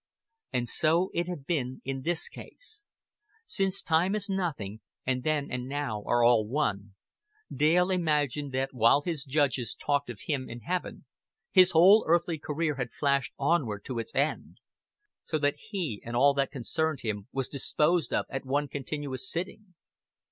And so it had been in this case. Since time is nothing, and then and now are all one, Dale imagined that while his Judges talked of him in Heaven his whole earthly career had flashed onward to its end; so that he and all that concerned him was disposed of at one continuous sitting.